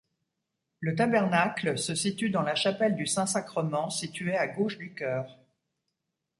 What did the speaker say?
Le tabernacle se situe dans la chapelle du Saint-Sacrement, située à gauche du chœur.